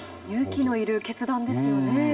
勇気のいる決断ですよね